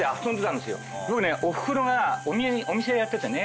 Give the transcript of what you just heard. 僕ねおふくろがお店やっててね。